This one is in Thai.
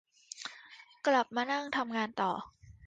กลับมานั่งทำงานต่อ